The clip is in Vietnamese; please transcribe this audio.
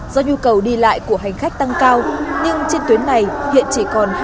do nhu cầu đi lại của hành khách tăng cao nhưng trên tuyến này hiện chỉ còn